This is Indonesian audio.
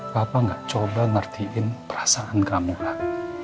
papa gak coba ngertiin perasaan kamu lah